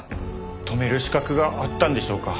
止める資格があったんでしょうか？